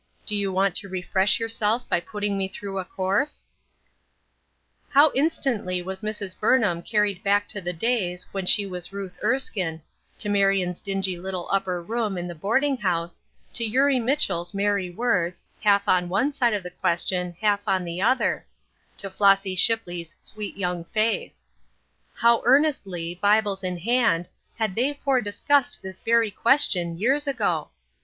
Do you want to refresh your self by putting me through a course ?" IOO SLIPPERY GROUND. How instantly was Mrs. Burnham carried back to the clays when she was Ruth Erskine ; to Marion's dingy little upper room in the boarding house, to Eurie Mitchell's merry words, half on one side of the question, half on the other ; to Flossy Shipley's sweet young face. How earnestly, Bibles in hand, had they four discussed this very ques tion years ago